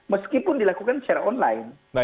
meskipun dilakukan secara online